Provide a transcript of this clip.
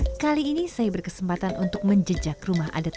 sekarang saya bersama dengan penduduk penduduk dari umang metan lidak